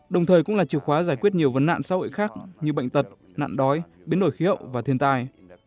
đồng thời cũng là chìa khóa giải quyết nhiều vấn nạn xã hội khác như bệnh tật nạn đói biến đổi khí hậu và thiên tai